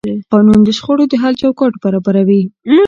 قانون د شخړو د حل چوکاټ برابروي.